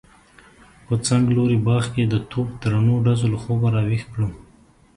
په څنګلوري باغ کې د توپ درنو ډزو له خوبه راويښ کړم.